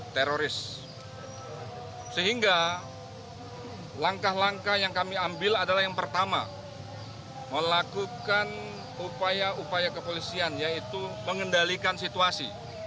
teroris sehingga langkah langkah yang kami ambil adalah yang pertama melakukan upaya upaya kepolisian yaitu mengendalikan situasi